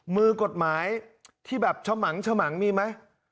มือกฎหมายที่แบบชมังมีไหม